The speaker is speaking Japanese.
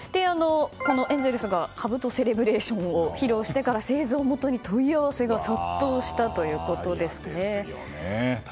エンゼルスがかぶとセレブレーションを披露してから製造元に問い合わせが殺到したということです。